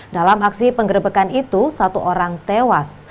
dalam aksi penggerbekan itu satu orang tewas